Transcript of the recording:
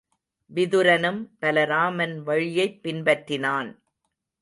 விதுரனும் பலராமன் வழியைப் பின்பற்றினான்.